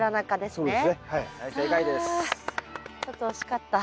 あちょっと惜しかった。